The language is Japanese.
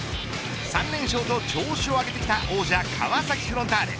３連勝と調子を上げてきた王者、川崎フロンターレ。